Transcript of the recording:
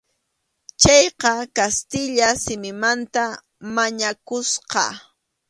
Chayqa kastilla simimanta mañakusqa.